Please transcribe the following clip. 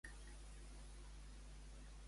Assamakka és una vila?